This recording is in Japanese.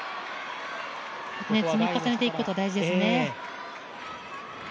積み重ねていくことが大事ですね。